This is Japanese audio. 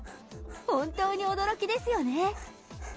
本当に驚きですよね。